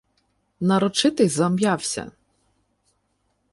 Нарочитий зам'явся.